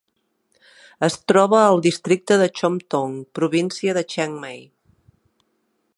Es troba al districte de Chom Thong, província de Chiang Mai.